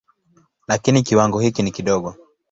Lakini kiwango hiki ni kidogo.